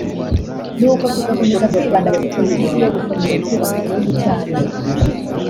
ni uko tugakomeza kwibanda kuri politiki yo gukomeza kubaka igihugu cyacu